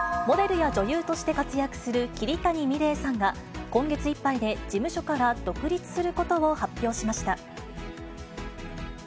モデルや女優として活躍する桐谷美玲さんが、今月いっぱいで事務所から独立することを発表しました。